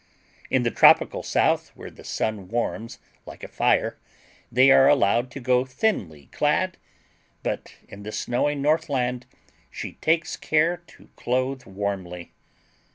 In the tropical south, where the sun warms like a fire, they are allowed to go thinly clad; but in the snowy northland she takes care to clothe warmly.